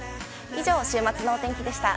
以上週末のお天気でした。